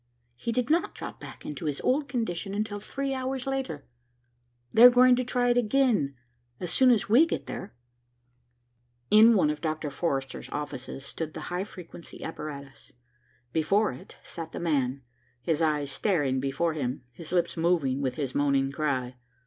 He did not drop back into his old condition until three hours later. They are going to try it again, as soon as we get there." In one of Dr. Forrester's offices stood the high frequency apparatus. Before it sat the man, his eyes staring before him, his lips moving with his moaning cry.